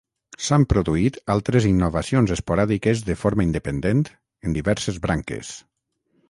S'han produït altres innovacions esporàdiques de forma independent en diverses branques.